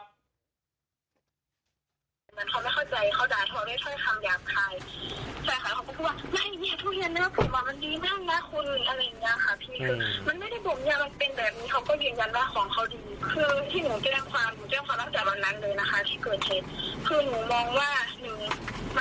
แต่เรื่องอันนี้นะนูไม่ค่อยตีเรียสเท่าไรหรอก